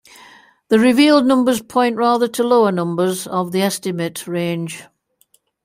The revealed numbers point rather to lower numbers of the estimate range.